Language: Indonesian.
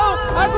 aku gak mau